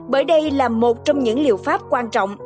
bởi đây là một trong những liệu pháp quan trọng